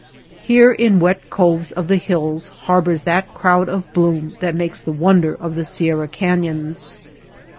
Here in wet coves of the hills harbors that crowd of bloom that makes the wonder of the Si erra cafions.